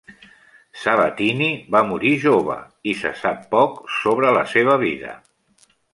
Sabatini va morir jove i se sap poc sobre la seva vida.